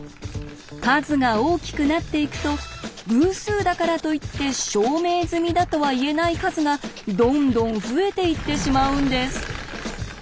数が大きくなっていくと偶数だからといって証明済みだとは言えない数がどんどん増えていってしまうんです。